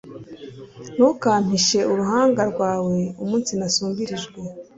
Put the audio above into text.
ntukampishe uruhanga rwawe umunsi nasumbirijwe